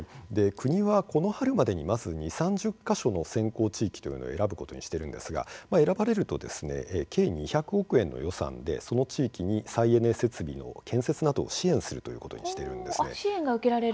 国はこの春までに２０、３０か所の先行地域というのを選ぶことにしているんですが選ばれると計２００億円の予算でその地域に再エネ設備を建設などを支援することにしているんです。